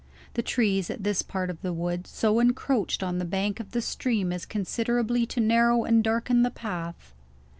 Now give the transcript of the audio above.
The trees, at this part of the wood, so encroached on the bank of the stream as considerably to narrow and darken the path.